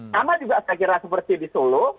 sama juga saya kira seperti di solo